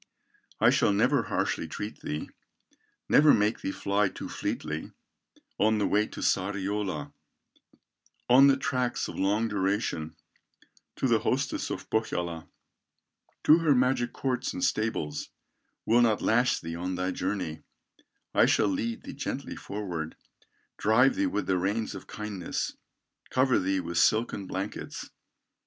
I shall never harshly treat thee, Never make thee fly too fleetly, On the way to Sariola, On the tracks of long duration, To the hostess of Pohyola, To her magic courts and stables, Will not lash thee on thy journey; I shall lead thee gently forward, Drive thee with the reins of kindness, Cover thee with silken blankets."